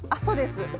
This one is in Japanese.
そうです。